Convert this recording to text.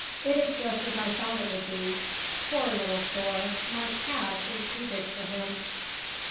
"It is just as I thought it would be. Poor little Thor! My cat is too big for him."